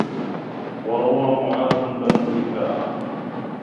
وَرَوَى مُعَاذُ بْنُ رِفَاعَةَ